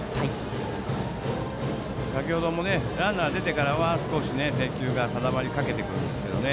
先程もランナーが出てからは少し制球が定まりかけてたんですけどね。